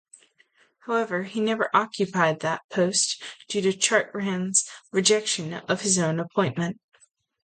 However, he never occupied that post due to Chartrand's rejection of his own appointment.